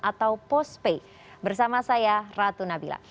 atau post pay bersama saya ratu nabila